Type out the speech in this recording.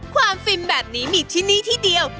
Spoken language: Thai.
ความฝีมแบบนี้มีที่นี้ที่เดียว